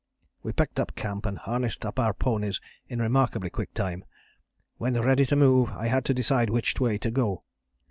"We packed up camp and harnessed up our ponies in remarkably quick time. When ready to move I had to decide which way to go.